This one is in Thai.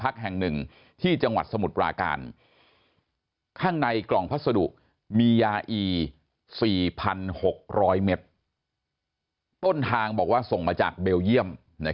ข้างในกล่องพัสดุมียาอี๔๖๐๐เมตรต้นทางบอกว่าส่งมาจากเบลเยี่ยม